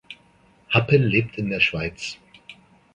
Happel lebt in der Schweiz.